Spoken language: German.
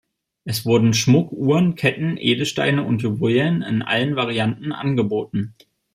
Es wurden Schmuck, Uhren, Ketten, Edelsteine und Juwelen in allen Varianten angeboten.